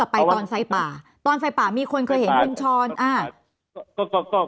ไปตอนไฟป่าตอนไฟป่ามีคนเคยเห็นคุณชรอ่า